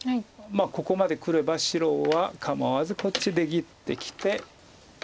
ここまでくれば白は構わずこっち出切ってきて。